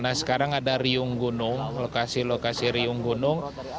nah sekarang ada riung gunung lokasi lokasi riung gunung